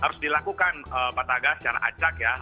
harus dilakukan pak taga secara acak ya